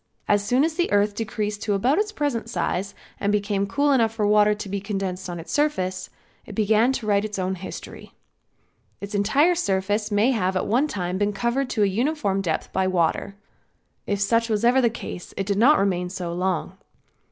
As soon as the earth decreased to about its present size and became cool enough for water to be condensed on its surface, it began to write its own history. Its entire surface may have at one time been covered to a uniform depth by water. If such was ever the case it did not remain so long.